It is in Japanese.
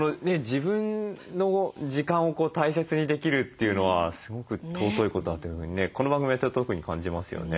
自分の時間を大切にできるというのはすごく尊いことだというふうにねこの番組やってると特に感じますよね。